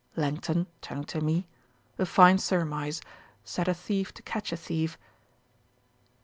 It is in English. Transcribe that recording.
LANGTON: (turning to me.) 'A fine surmise. Set a thief to catch a thief.'